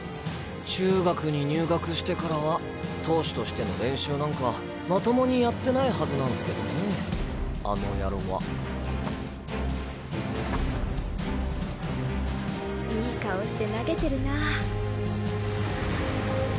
中学に入学してからは投手としての練習なんかまともにやってないはずなんスけどねあのやろは。いい顔して投げてるなぁ。